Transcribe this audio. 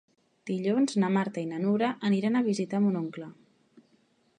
Dilluns na Marta i na Nura aniran a visitar mon oncle.